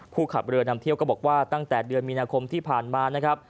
ขับเรือนำเที่ยวก็บอกว่าตั้งแต่เดือนมีนาคมที่ผ่านมานะครับ